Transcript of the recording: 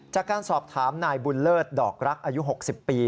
จากการสอบถามนายบุญเลิศดอกรักอายุ๖๐ปี